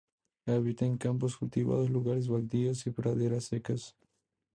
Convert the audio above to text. Habita en campos cultivados, lugares baldíos y praderas secas.